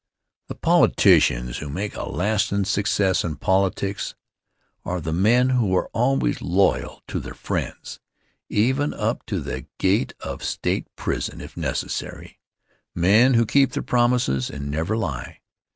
The politicians who make a lastin' success in politics are the men who are always loyal to their friends, even up to the gate of State prison, if necessary; men who keep their promises and never lie.